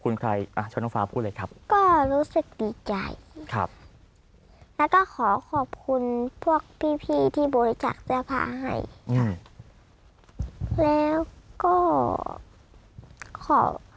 แล้วก็